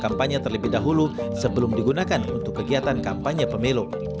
kampanye terlebih dahulu sebelum digunakan untuk kegiatan kampanye pemilu